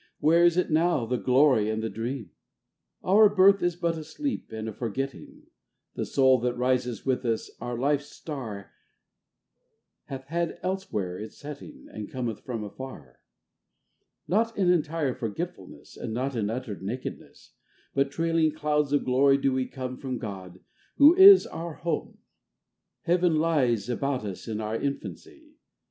Where is it now, the glory and the dream % Our birth is but a sleep and a forgetting : The Soul that rises with us, our life's Star, Hath had elsewhere its setting, And cometh from afar : Not in entire forgetfulness, And not in utter nakedness, But trailing clouds of glory do we come From God, who is our home : Heaven lies about us in our infancy